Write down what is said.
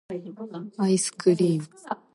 愛♡スクリ～ム!